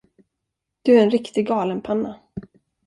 Du är en riktigt galenpanna.